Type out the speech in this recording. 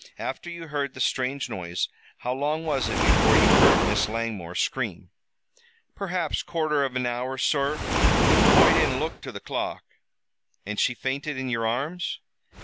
After you heard the strange noise how long was it before you heard Miss Langmore scream?" "Perhaps quarter av an hour, sur. Oi didn't look to the clock." "And she fainted in your arms?"